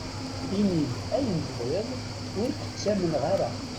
Ini-d ayen tebɣiḍ, ur k-ttamneɣ ara.